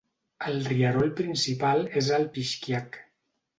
El rierol principal és el Pixquiac.